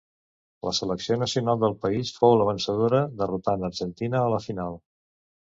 La selecció nacional del país fou la vencedora, derrotant Argentina a la final.